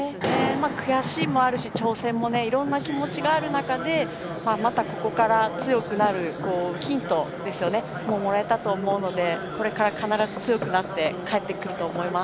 悔しいもあるし、挑戦もいろんな気持ちがある中でまたここから強くなるヒントをもらえたと思うのでここからまた必ず強くなって帰ってくると思います。